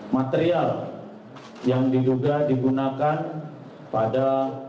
material yang diduga digunakan pada